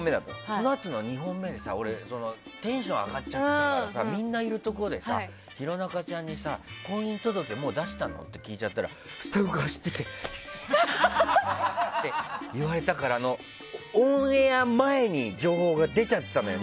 そのあとの２本目にテンションが上がってみんないるところで弘中ちゃんに婚姻届、もう出したの？って聞いちゃったらスタッフが走ってきてシー！って言われたからオンエア前に情報が出ちゃってたのよ